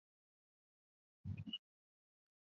在场上的位置是边锋和攻击型中场。